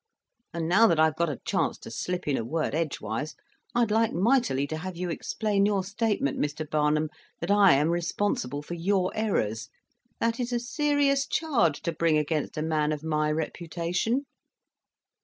And now that I've got a chance to slip in a word edgewise, I'd like mightily to have you explain your statement, Mr. Barnum, that I am responsible for your errors. That is a serious charge to bring against a man of my reputation."